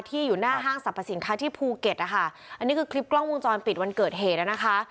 อยู่หน้าห้างสรรพสินค้าที่ภูเก็ตนะคะอันนี้คือคลิปกล้องวงจรปิดวันเกิดเหตุนะคะ